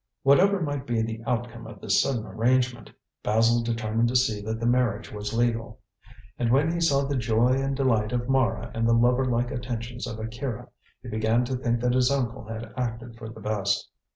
Whatever might be the outcome of this sudden arrangement, Basil determined to see that the marriage was legal. And when he saw the joy and delight of Mara and the lover like attentions of Akira, he began to think that his uncle had acted for the best.